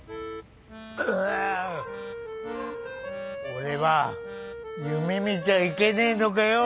俺は夢みちゃいけねえのかよ？